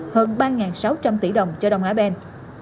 hơn ba sáu trăm linh tỷ đồng cho đông á ben